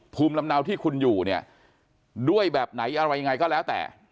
ภูมิลำเนาที่คุณอยู่เนี่ยด้วยแบบไหนอะไรยังไงก็แล้วแต่